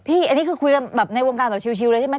อันนี้คือคุยกันแบบในวงการแบบชิวเลยใช่ไหม